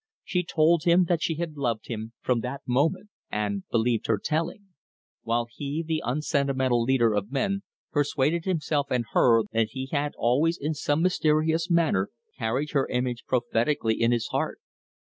She told him that she had loved him from that moment and believed her telling; while he, the unsentimental leader of men, persuaded himself and her that he had always in some mysterious manner carried her image prophetically in his heart.